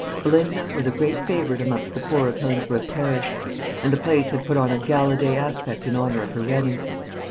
Belinda was a great favourite amongst the poor of Hillingsworth parish, and the place had put on a gala day aspect in honour of her wedding.